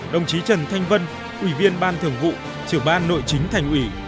đồng chí trần thanh vân ủy viên ban thường vụ trưởng ban nội chính thành ủy